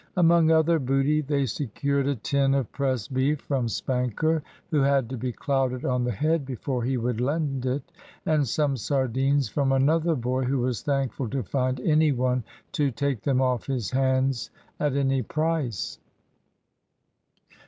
Among other booty, they secured a tin of pressed beef from Spanker, who had to be clouted on the head before he would "lend it," and some sardines from another boy, who was thankful to find any one to take them off his hands at any price.